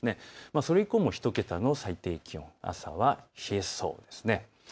それ以降も１桁の最低気温、朝は冷えそうです。